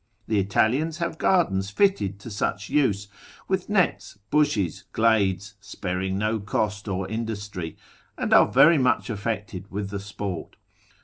The Italians have gardens fitted to such use, with nets, bushes, glades, sparing no cost or industry, and are very much affected with the sport.